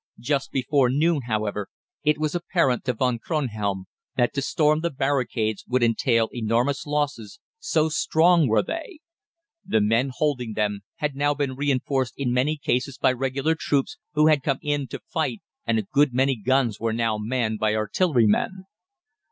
Just before noon, however, it was apparent to Von Kronhelm that to storm the barricades would entail enormous losses, so strong were they. The men holding them had now been reinforced in many cases by regular troops, who had come in in flight, and a good many guns were now manned by artillerymen.